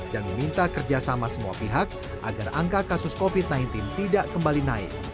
dan meminta kerjasama semua pihak agar angka kasus covid sembilan belas tidak kembali naik